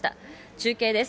中継です。